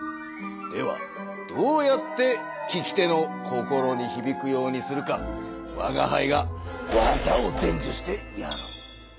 ではどうやって聞き手の心にひびくようにするかわがはいが技をでんじゅしてやろう。